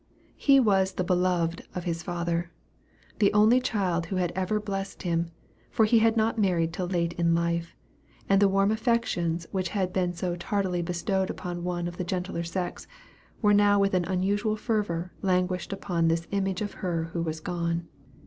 He was the beloved of his father, the only child who had ever blessed him for he had not married till late in life, and the warm affections which had been so tardily bestowed upon one of the gentler sex, were now with an unusual fervor lavished upon this image of her who was gone.